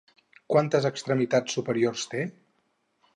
Quantes extremitats superiors té?